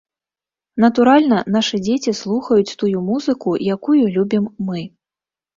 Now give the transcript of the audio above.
Натуральна, нашы дзеці слухаюць тую музыку, якую любім мы.